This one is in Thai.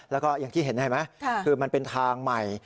แล้วก็อย่างที่เห็นเห็นไหมคือมันเป็นทางใหม่